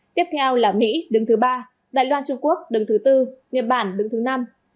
tiếp theo là mỹ đứng thứ ba đài loan trung quốc đứng thứ tư nhật bản đứng thứ năm